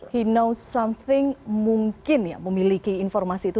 dia tahu sesuatu mungkin memiliki informasi itu